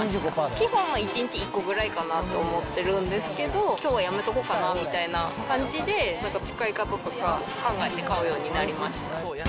基本、１日１個ぐらいかなと思ってるんですけど、きょうはやめとこうかなみたいな感じでなんか使い方とか、考えて買うようになりました。